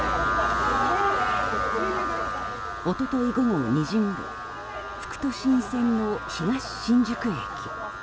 一昨日、午後２時ごろ副都心線の東新宿駅。